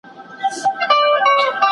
¬ له نه وسه مي ددۍ خور يې.